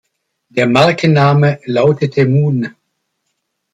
Der Markenname lautete "Moon".